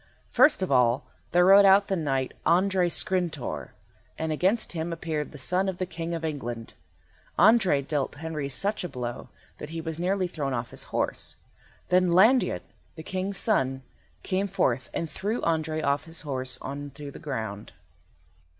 First of all there rode out the Knight Andrei Skrintor, and against him appeared the son of the King of England. Andrei dealt Henry such a blow, that he was nearly thrown off his horse. Then Landiot, the King's son, came forth and threw Andrei off his horse on to the ground.